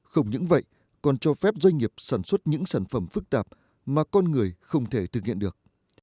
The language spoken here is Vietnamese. không những vậy còn cho phép doanh nghiệp sản xuất những sản phẩm phức tạp mà con người không thể thực hiện được